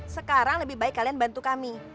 sekarang lebih baik kalian bantu kami